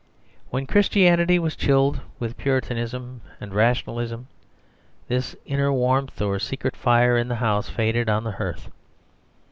When Christianity was chilled with Puritanism and rationalism, this inner warmth or secret fire in the house faded on the hearth.